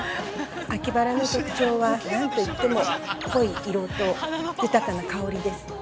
秋バラの特徴は、何といっても濃い色と豊かな香りです。